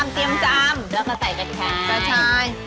แล้วก็ใส่กระชาย